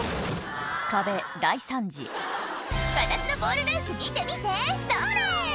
壁大惨事「私のポールダンス見て見てそれ！」